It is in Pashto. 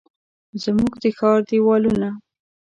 زموږ د ښار دیوالونه،